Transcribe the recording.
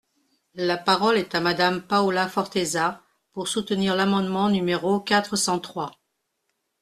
La parole est à Madame Paula Forteza, pour soutenir l’amendement numéro quatre cent trois.